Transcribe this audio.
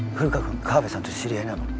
カワベさんと知り合いなの？